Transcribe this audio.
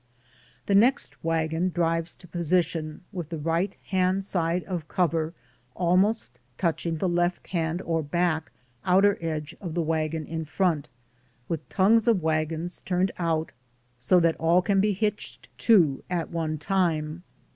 The next wagon drives to position, with the right hand side of cover almost touching the left 8o DAYS ON THE ROAD. hand or back, outer edge of the wagon in front, with tongues of wagons turned out, so that all can be hitched to at one time.